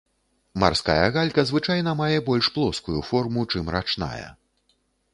Марская галька звычайна мае больш плоскую форму, чым рачная.